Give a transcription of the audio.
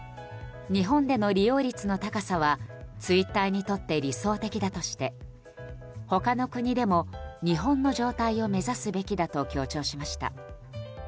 日本での利用率の高さはツイッターにとって理想的だとして他の国でも日本の状態を目指すべきだと強調しました。